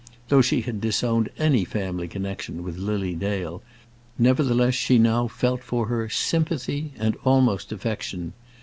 Though she had disowned any family connection with Lily Dale, nevertheless she now felt for her sympathy and almost affection.